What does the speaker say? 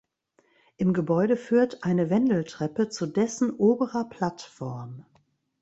Im Gebäude führt eine Wendeltreppe zu dessen oberer Plattform.